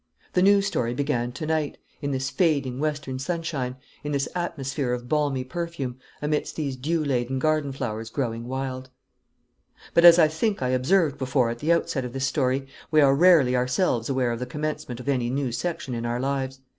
The new story began to night, in this fading western sunshine, in this atmosphere of balmy perfume, amidst these dew laden garden flowers growing wild. But, as I think I observed before at the outset of this story, we are rarely ourselves aware of the commencement of any new section in our lives.